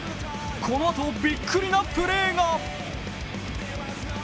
このあとビックリなプレーが。